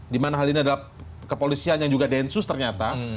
dimana hal ini adalah kepolisian yang juga densus ternyata